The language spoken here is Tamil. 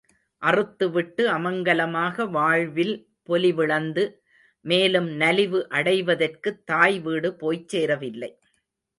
அறுத்து விட்டு அமங்கலமாக வாழ்வில் பொலிவிழந்து மேலும் நலிவு அடைவதற்குத் தாய் வீடு போய்ச் சேரவில்லை.